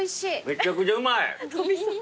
めちゃくちゃうまい。